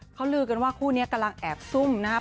เขาลือกันว่าคู่นี้กำลังแอบซุ่มนะครับ